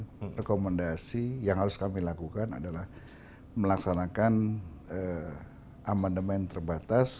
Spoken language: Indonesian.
nah rekomendasi yang harus kami lakukan adalah melaksanakan amandemen terbatas